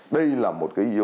đây là một cái yếu tố thứ ba